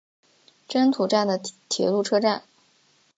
真土站的铁路车站。